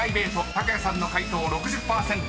［卓也さんの解答６０％。